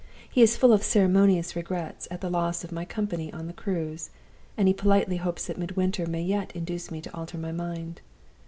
He is full of ceremonious regrets at the loss of my company on the cruise; and he politely hopes that Midwinter may yet induce me to alter my mind.